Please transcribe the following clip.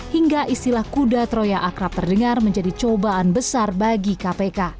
hingga istilah kuda troya akrab terdengar menjadi cobaan besar bagi kpk